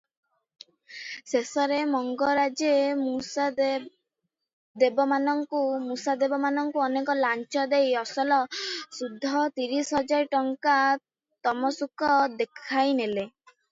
ଶେଷଥର ମଙ୍ଗରାଜେ ମୁସାହେବମାନଙ୍କୁ ଅନେକ ଲାଞ୍ଚ ଦେଇ ଅସଲ ସୁଧ ତିରିଶ ହଜାର ଟଙ୍କାରେ ତମସୁକ ଲେଖାଇନେଲେ ।